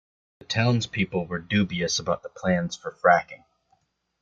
The townspeople were dubious about the plans for fracking